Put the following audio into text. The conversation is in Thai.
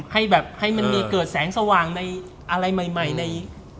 เหมือนแสงสว่างในอะไรใหม่ใน